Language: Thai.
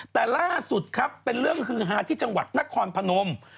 แต่ล่าสุดครับเป็นเรื่องฮือฮาที่จังหวัดนครพนม